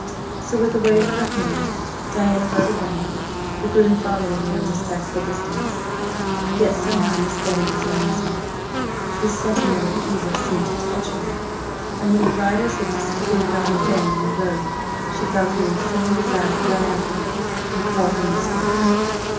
So with a wave of her hand, Diana rode away, the groom following at a respectful distance. Yet somehow Miss Betty was uneasy. A presentiment of evil seemed to touch her, and when the riders had disappeared round a bend in the road she felt an insane desire to run after them and call her niece back.